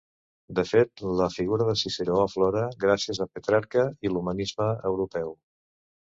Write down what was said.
De fet, la figura de Ciceró aflora gràcies a Petrarca i l'humanisme europeu.